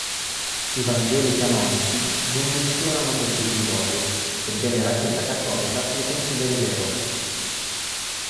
I Vangeli canonici non menzionano questo episodio, sebbene la Chiesa cattolica lo consideri vero.